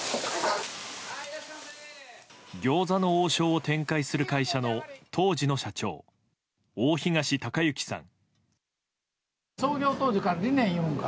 餃子の王将を展開する会社の当時の社長、大東隆行さん。